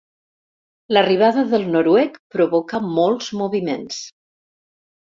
L'arribada del noruec provoca molts moviments.